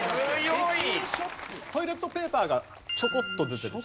トイレットペーパーがちょこっと出てた。